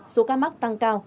số ca mắc tăng cao